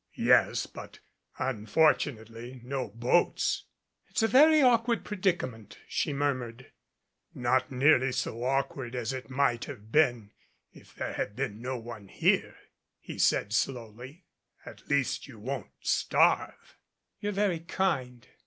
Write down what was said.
"Yes, but unfortunately no boats." "It's a very awkward predicament," she murmured. "Not nearly so awkward as it might have been if there 41 MADCAP had been no one here," he said slowly. "At least you won't starve." "You're very kind.